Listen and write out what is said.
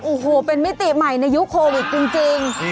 โอ้โหเป็นมิติใหม่ในยุคโควิดจริง